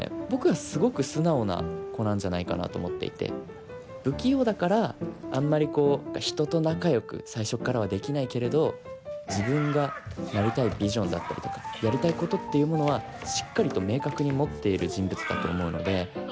僕はすごく素直な子なんじゃないかなと思っていて不器用だからあんまりこう人と仲よく最初っからはできないけれど自分がなりたいビジョンだったりとかやりたいことっていうものはしっかりと明確に持っている人物だと思うので。